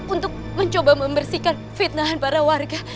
untuk mencoba membersihkan fitnahan para warga